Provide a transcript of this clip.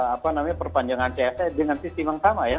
apa namanya perpanjangan cf dengan sistem yang sama ya